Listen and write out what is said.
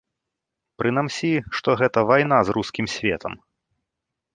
Прынамсі, што гэта вайна з рускім светам.